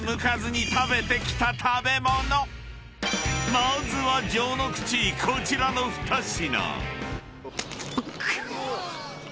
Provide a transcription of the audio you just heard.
［まずは序の口こちらの２品］